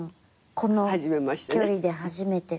この距離で初めて。